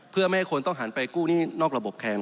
เพื่อไม่ให้คนต้องหันไปกู้หนี้นอกระบบแทน